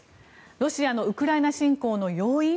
ロシアのウクライナ侵攻の要因？